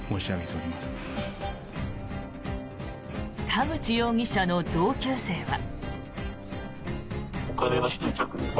田口容疑者の同級生は。